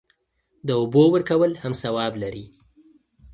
د اوبو ورکول هم ثواب لري.